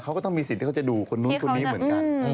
เขาก็ต้องมีสิทธิ์เขาจะดูคนนู้นคนนี้เหมือนกัน